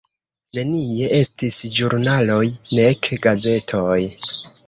Nenie estis ĵurnaloj, nek gazetoj.